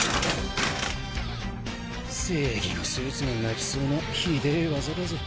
正義のスーツが泣きそうなひでぇ技だぜ。